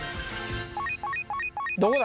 どこだ？